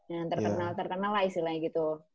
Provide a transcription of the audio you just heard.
yang terkenal terkenal lah istilahnya gitu